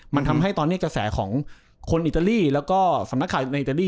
มันทำให้ตอนนี้กระแสของคนอิตาลีแล้วก็สำนักข่าวในอิตาลี